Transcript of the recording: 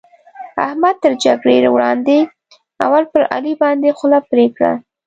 احمد تر جګړې وړاندې؛ اول پر علي باندې خوله پرې کړه.